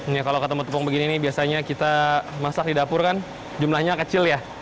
nih kalau ketemu tepung begini nih biasanya kita masak di dapur kan jumlahnya kecil ya